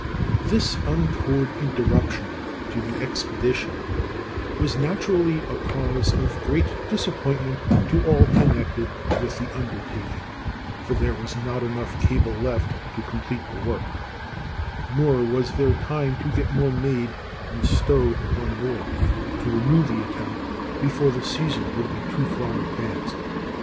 This untoward interruption to the expedition was naturally a cause of great disappointment to all connected with the undertaking; for there was not enough cable left to complete the work, nor was there time to get more made and stowed on board to renew the attempt before the season would be too far advanced.